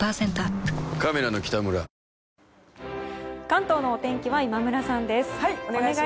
関東のお天気は今村さんです。